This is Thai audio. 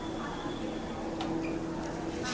สวัสดีครับ